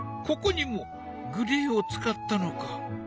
ここにもグレーを使ったのか。